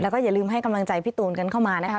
แล้วก็อย่าลืมให้กำลังใจพี่ตูนกันเข้ามานะคะ